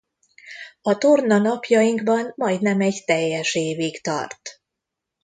A torna napjainkban majdnem egy teljes évig tart.